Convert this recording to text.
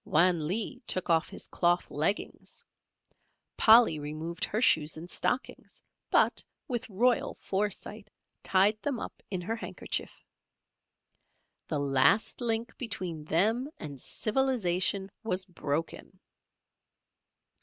Wan Lee took off his cloth leggings, Polly removed her shoes and stockings, but with royal foresight, tied them up in her handkerchief. The last link between them and civilization was broken.